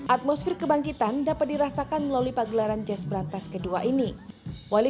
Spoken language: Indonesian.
atmosfer kebangkitan dapat dirasakan melalui pagelaran jazz berantas kedua ini wali